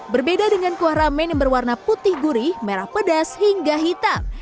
berbeda dengan kuah ramen yang berwarna putih gurih merah pedas hingga hitam